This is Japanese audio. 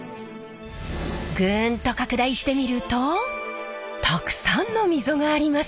グンと拡大してみるとたくさんの溝があります。